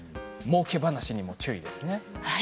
もうけ話にも注意ですね。